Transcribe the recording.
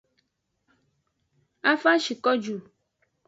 A va shi ko ju.